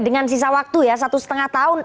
dengan sisa waktu ya satu setengah tahun